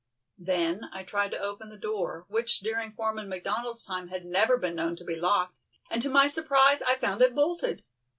Then I tried to open the door, which during Foreman McDonald's time had never been known to be locked, and to my surprise I found it bolted.